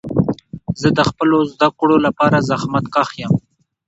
زه د خپلو زده کړو لپاره زحمت کښ یم.